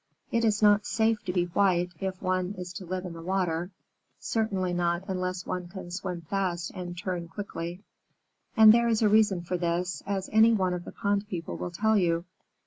It is not safe to be white if one is to live in the water; certainly not unless one can swim fast and turn quickly. And there is a reason for this, as any one of the pond people will tell you.